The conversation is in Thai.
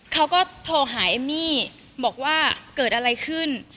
เขาก็โทรหาเอมมี่บอกว่าเกิดอะไรขึ้น